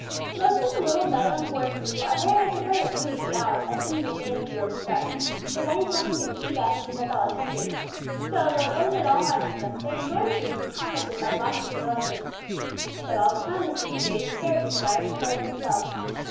Most of the little meadow and forest people are very much afraid of Hooty the Owl as soon as it begins to grow dark, for that is when he can see best and does all his hunting. So, though it wasn't at all nice of them, they enjoyed seeing him tormented by Blacky and his relatives. But all the time they took the greatest care to keep out of sight themselves.